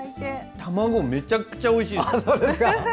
卵めちゃくちゃおいしいです。